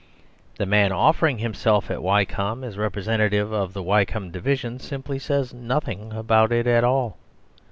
The man offering himself at Wycombe as representative of the Wycombe division simply says nothing about it at all.